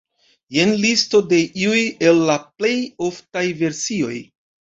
Jen listo de iuj el la plej oftaj versioj.